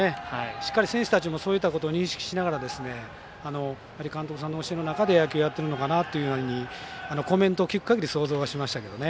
しっかり選手たちもそういったことを認識しながら監督さんの教えの中で野球をやってるのかなというふうにコメントを聞くかぎ限り想像しましたけどね。